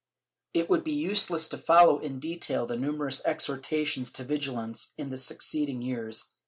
^ It would be useless to follow in detail the numerous exhortations to vigUance in the succeeding years.